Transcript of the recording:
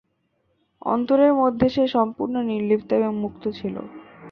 অন্তরের মধ্যে সে সম্পূর্ণ নির্লিপ্ত এবং মুক্ত ছিল।